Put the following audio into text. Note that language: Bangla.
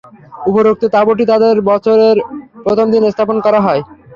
উপরোক্ত তাঁবুটি তাদের বছরের প্রথম দিন স্থাপন করা হয়।